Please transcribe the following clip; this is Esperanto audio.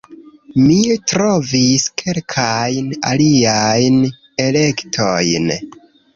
Mi trovis kelkajn aliajn elektojn